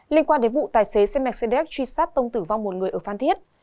linh quan đến vụ tài xế xemexedex truy sát tông tử vong một người ở phan thiết